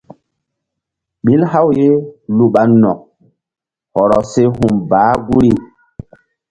Ɓil haw ye lu ɓa nokk hɔrɔ se hum baah guri.